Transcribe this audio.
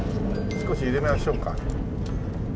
少し緩めましょうか。